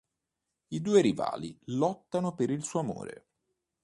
I due rivali lottano per il suo amore.